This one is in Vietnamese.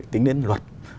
tính đến luật